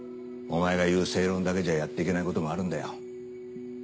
お前が言う正論だけじゃやっていけないこともあるんだよ。